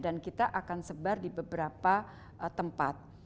dan kita akan sebar di beberapa tempat